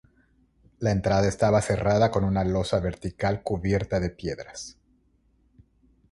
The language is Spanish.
La entrada estaba cerrada con una losa vertical cubierta de piedras.